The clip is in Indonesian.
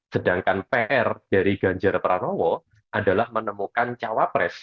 sedangkan pr dari ganjar pranowo adalah menemukan cawa pres